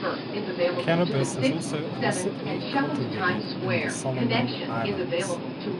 Cannabis is also illicitly cultivated in the Solomon Islands.